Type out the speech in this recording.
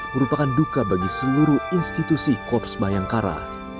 merupakan duka bagi seluruh institusi korps bayangkara